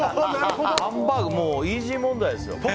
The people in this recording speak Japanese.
ハンバーグ、イージー問題ですよ。